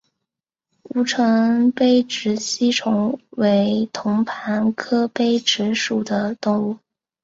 吴城杯殖吸虫为同盘科杯殖属的动物。